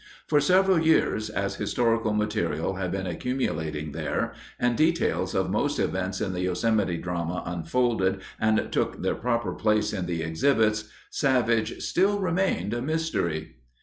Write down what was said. For several years, as historical material had been accumulating there, and details of most events in the Yosemite drama unfolded and took their proper place in the exhibits, Savage still remained a mystery.